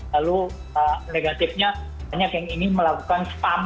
lalu negatifnya banyak yang ingin melakukan spam